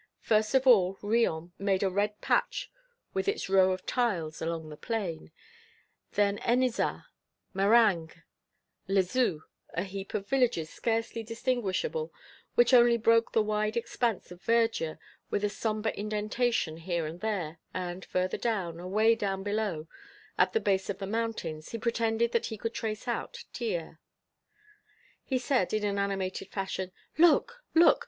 First of all, Riom made a red patch with its row of tiles along the plain; then Ennezat, Maringues, Lezoux, a heap of villages scarcely distinguishable, which only broke the wide expanse of verdure with a somber indentation here and there, and, further down, away down below, at the base of the mountains, he pretended that he could trace out Thiers. He said, in an animated fashion: "Look, look!